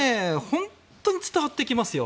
本当に伝わってきますよ